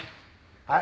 はい。